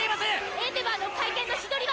エンデヴァーの会見の日取りは！？